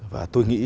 và tôi nghĩ